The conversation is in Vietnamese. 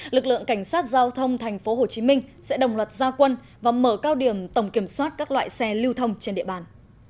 lực lượng cảnh sát giao thông tp hcm sẽ đồng luật gia quân và mở cao điểm tổng kiểm soát các loại xe lưu thông trên địa bàn